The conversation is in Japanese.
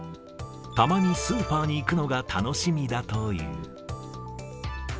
たまにスーパーに行くのが楽しみだという。